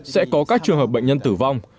sẽ có các trường hợp bệnh nhân tử vong